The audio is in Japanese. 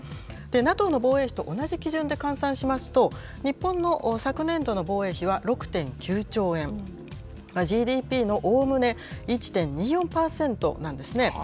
ＮＡＴＯの防衛費と同じ基準で換算しますと、日本の昨年度の防衛費は６．９兆円、ＧＤＰのおおむね１．２４％なんですね。